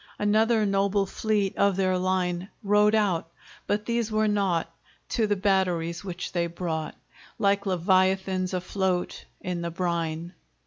Another noble fleet Of their line Rode out, but these were naught To the batteries, which they brought, Like Leviathans afloat, In the brine.